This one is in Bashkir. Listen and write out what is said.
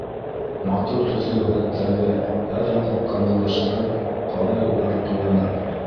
Матур төҫлө һүрәттәрҙе Һәр яҡлап камиллаштырып, Ҡарай улар ҡыуанып.